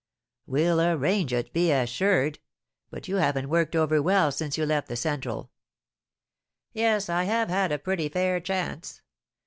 "We'll arrange it, be assured. But you haven't worked over well since you left the central." "Yes, I have had a pretty fair chance.